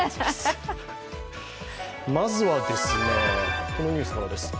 まずはこのニュースからです。